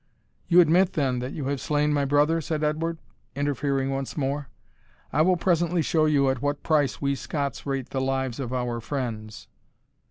"You admit, then, that you have slain my brother?" said Edward, interfering once more; "I will presently show you at what price we Scots rate the lives of our friends."